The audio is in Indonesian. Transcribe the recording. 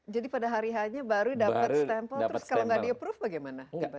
jadi pada hari h nya baru dapat stempel terus kalau nggak di approve bagaimana